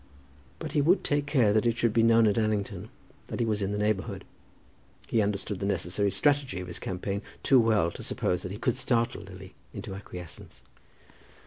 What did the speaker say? But he would take care that it should be known at Allington that he was in the neighbourhood. He understood the necessary strategy of his campaign too well to suppose that he could startle Lily into acquiescence.